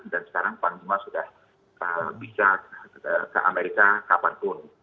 dan sekarang panglima sudah bisa ke amerika kapanpun